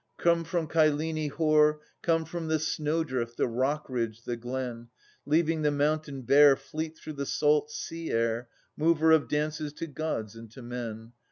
Come from Cyllene hoar — Come from the snowdrift, the rock ridge, the glen ! Leaving the mountain bare Fleet through the salt sea air, Mover of dances to Gods and to men.